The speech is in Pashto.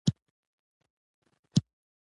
د ښرنې ښار د ماسټر پلان په اساس جوړېږي.